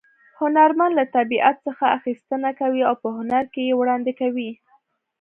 هنرمن له طبیعت څخه اخیستنه کوي او په هنر کې یې وړاندې کوي